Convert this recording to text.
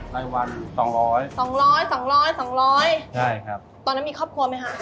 จนหนี้เยอะที่สุดคือ